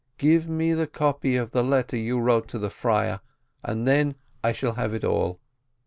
Give me the copy of the letter you wrote to the friar, and then I shall have it all."